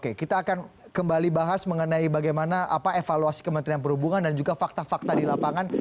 oke kita akan kembali bahas mengenai bagaimana evaluasi kementerian perhubungan dan juga fakta fakta di lapangan